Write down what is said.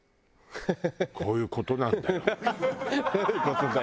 こういう事なんだよ。